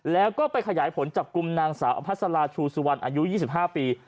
แล้วก็ไปขยายผลจับกลุ่มนางสาวอภัสราชูสุวรรณอายุ๒๕ปี